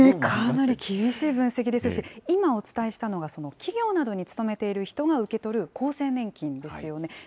かなり厳しい分析ですし、今お伝えしたのが、企業などに勤めている人が受け取る厚生年金ですよね。